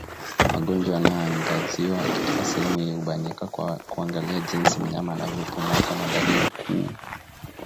Magonjwa yanayoangaziwa katika sehemu hii hubainika kwa kuangalia jinsi mnyama anavyopumua kama dalili kuu